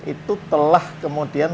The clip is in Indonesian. itu telah kemudian